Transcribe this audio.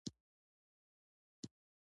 هغه هلته ماشومانو ته درس ورکاوه.